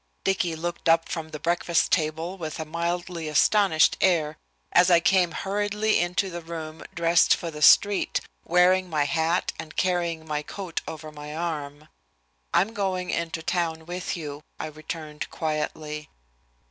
Dicky looked up from the breakfast table with a mildly astonished air as I came hurriedly into the room dressed for the street, wearing my hat, and carrying my coat over my arm. "I'm going into town with you," I returned quietly.